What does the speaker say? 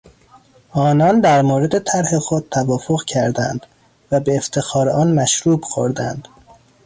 آنان در مورد طرح خود توافق کردند و به افتخار آن مشروب خوردند.